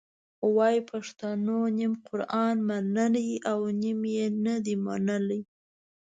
وایي پښتنو نیم قرآن منلی او نیم یې نه دی منلی.